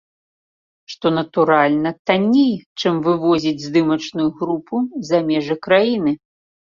Што, натуральна, танней, чым вывозіць здымачную групу за межы краіны.